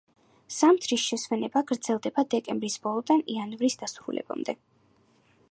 ზამთრის შესვენება გრძელდება დეკემბრის ბოლოდან იანვრის დასასრულამდე.